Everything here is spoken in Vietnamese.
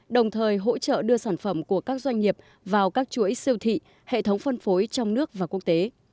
đồng thời hỗ trợ đưa sản phẩm của các doanh nghiệp vào các chuỗi siêu thị hệ thống phân phối trong nước và quốc tế